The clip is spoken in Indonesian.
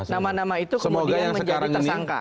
nama nama itu kemudian menjadi tersangka